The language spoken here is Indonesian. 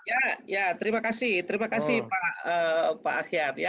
iya iya terima kasih terima kasih pak aker ya